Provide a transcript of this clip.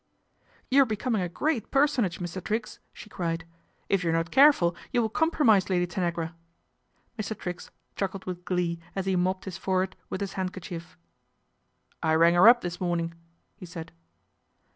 ' You're becoming a great personage, Mr. Triggs," she cried. " If you are not careful you will compromise Lady Tanagra." Mr. Triggs chuckled with glee as he mopped his forehead with his handkerchief. " I rang 'er up this morning," he said.